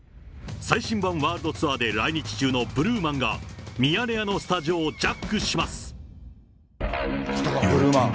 最新版ワールドツアーで来日中のブルーマンがミヤネ屋のスタジオ来たか、ブルーマン。